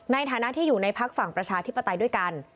ในฐานะที่อยู่ในพักฝั่งประชาธิปไตยด้วยกัน